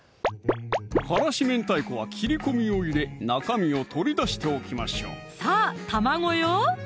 辛子明太子は切り込みを入れ中身を取り出しておきましょうさぁ卵よ